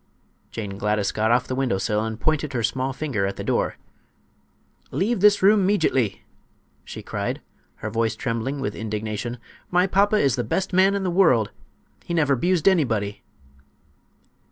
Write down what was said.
Jane Gladys got off the window sill and pointed her small finger at the door. "Leave this room 'meejitly!" she cried, her voice trembling with indignation. "My papa is the best man in the world. He never 'bused anybody!"